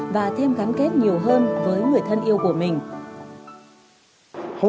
và thêm gắn kết nhiều hơn với người thân yêu của mình